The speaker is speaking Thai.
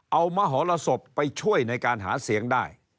เอามหรสบไปช่วยในการหาเสียงได้